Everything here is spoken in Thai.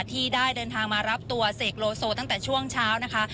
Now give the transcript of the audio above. ที่ได้เดินทางมารับตัวเสกโลโซตั้งแต่ช่วงเช้านะคะ